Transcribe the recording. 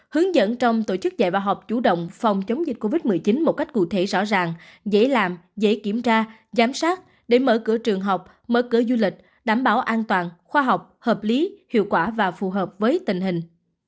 hướng dẫn trong tổ chức dạy và học chủ động phòng chống dịch covid một mươi chín một cách cụ thể rõ ràng dễ làm dễ kiểm tra giám sát để mở cửa trường học mở cửa du lịch đảm bảo an toàn khoa học hợp lý hiệu quả và phù hợp với tình hình